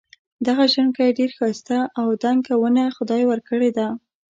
دغه ژڼکی ډېر ښایسته او دنګه ونه خدای ورکړي ده.